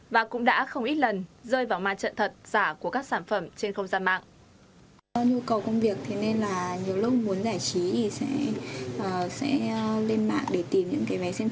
và cũng đã không ít lần rơi vào ma trận thật giả của các sản phẩm trên không gian mạng